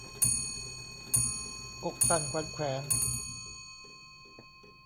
อกสั่นขวัญแขวน